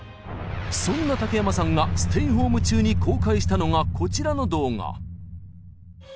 そんな竹山さんがステイホーム中に公開したのがこちらの動画。